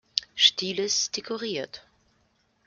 Stiles dekoriert.